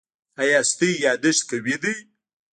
ایا ستاسو یادښت قوي دی؟